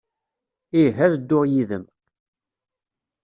Ih, ad dduɣ yid-m.